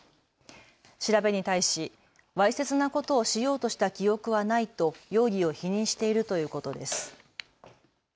調べに対し、わいせつなことをしようとした記憶はないと容疑を否認しているということです。